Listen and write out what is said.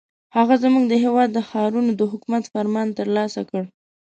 هغه زموږ د هېواد د ښارونو د حکومت فرمان ترلاسه کړ.